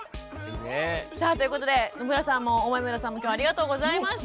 さあということで野村さんも大豆生田さんも今日はありがとうございました。